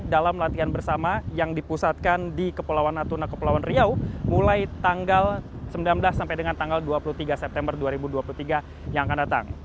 dalam latihan bersama yang dipusatkan di kepulauan natuna kepulauan riau mulai tanggal sembilan belas sampai dengan tanggal dua puluh tiga september dua ribu dua puluh tiga yang akan datang